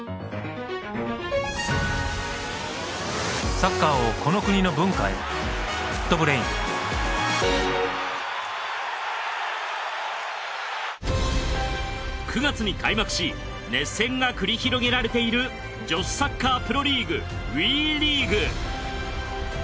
サッカーをこの国の文化へ『ＦＯＯＴ×ＢＲＡＩＮ』９月に開幕し熱戦が繰り広げられている女子サッカープロリーグＷＥリーグ。